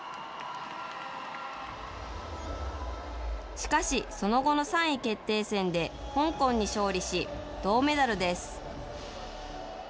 しかし、その後の３位決定戦で香港に勝利し、銅メダルです。